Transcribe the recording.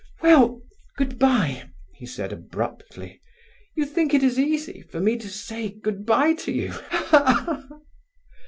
"Well, good bye," he said abruptly. "You think it is easy for me to say good bye to you? Ha, ha!"